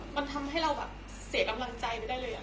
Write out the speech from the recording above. มันทำให้เราแบบเสียกำลังใจไปได้เลย